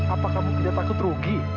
apa kamu tidak takut rugi